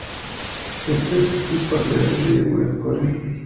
Este es parte de la serie "Armored Core".